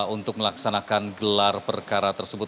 untuk melaksanakan gelar perkara tersebut